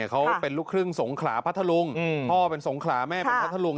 เขาเป็นลูกครึ่งสงขลาพัทธลุงพ่อเป็นสงขลาแม่เป็นพัทธลุง